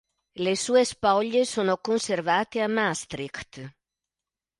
Le sue spoglie sono conservate a Maastricht.